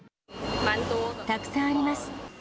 たくさんあります。